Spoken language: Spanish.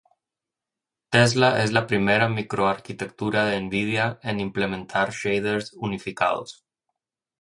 Tesla es la primera micro arquitectura de Nvidia en implementar shaders unificados.